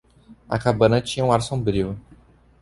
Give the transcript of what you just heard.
A cabana tinha um ar sombrio.